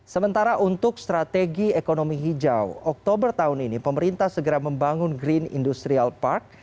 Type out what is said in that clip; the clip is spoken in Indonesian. sementara untuk strategi ekonomi hijau oktober tahun ini pemerintah segera membangun green industrial park